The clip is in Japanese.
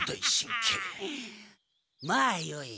まあよい。